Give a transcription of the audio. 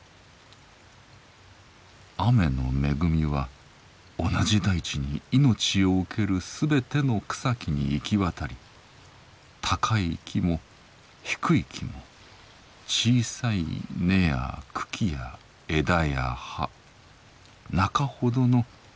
雨の恵みは同じ大地にいのちを受けるすべての草木に行き渡り高い木も低い木も小さい根や茎や枝や葉中ほどの根や茎や枝や葉